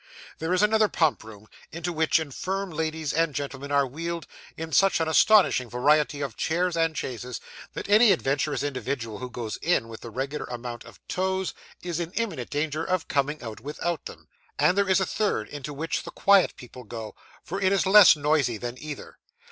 There is another pump room, into which infirm ladies and gentlemen are wheeled, in such an astonishing variety of chairs and chaises, that any adventurous individual who goes in with the regular number of toes, is in imminent danger of coming out without them; and there is a third, into which the quiet people go, for it is less noisy than either.